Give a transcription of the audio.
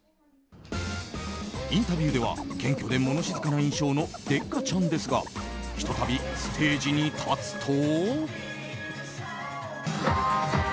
インタビューでは謙虚で物静かな印象のデッカチャンですがひとたびステージに立つと。